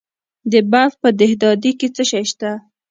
د بلخ په دهدادي کې څه شی شته؟